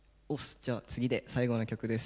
じゃあ、次で最後の曲です。